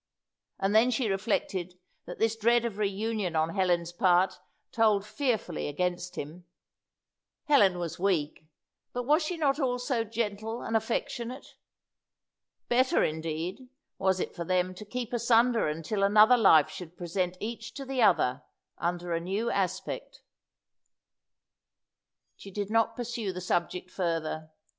And then she reflected that this dread of reunion on Helen's part told fearfully against him. Helen was weak, but was she not also gentle and affectionate? Better, indeed, was it for them to keep asunder until another life should present each to the other under a new aspect. She did not pursue the subject further.